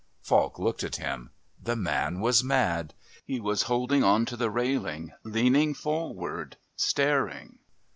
Falk looked at him. The man was mad. He was holding on to the railing, leaning forward, staring....